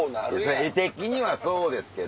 画的にはそうですけど。